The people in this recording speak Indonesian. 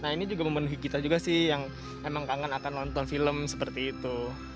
itu membenuhi kita juga sih yang memang kangen akan nonton film seperti itu